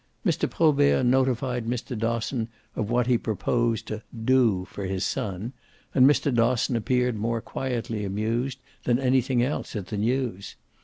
Mr. Probert notified Mr. Dosson of what he proposed to "do" for his son, and Mr. Dosson appeared more quietly amused than anything else at the news.